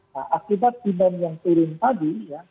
nah akibat demand yang turun tadi ya